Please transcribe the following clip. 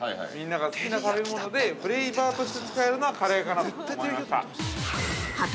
好きな食べ物でフレーバーとして使えるのはカレーかなと思いました。